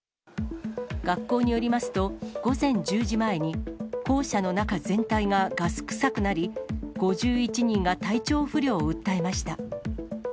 学校によりますと、午前１０時前に、校舎の中全体がガス臭くなり、５１人が体調不良を訴えました。